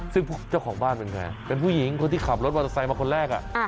ซึ่งเจ้าของบ้านเป็นไงเป็นผู้หญิงคนที่ขับรถมอเตอร์ไซค์มาคนแรก